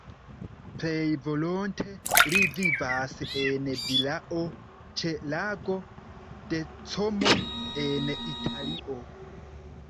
Plej volonte li vivas en vilao ĉe Lago de Como en Italio.